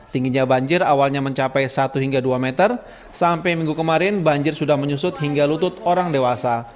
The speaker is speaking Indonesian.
tingginya banjir awalnya mencapai satu hingga dua meter sampai minggu kemarin banjir sudah menyusut hingga lutut orang dewasa